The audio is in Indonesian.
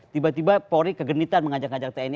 tiba tiba polri kegenitan mengajak ngajak tni